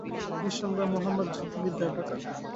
নিঃসন্দেহে মুহাম্মাদ যুদ্ধ-বিদ্যায় পাকা।